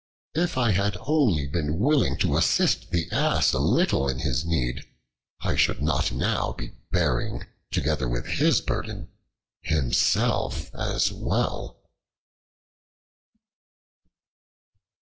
If I had only been willing to assist the Ass a little in his need, I should not now be bearing, together with his burden, himself as well."